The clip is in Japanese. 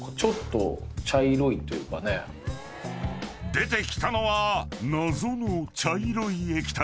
［出てきたのは謎の茶色い液体］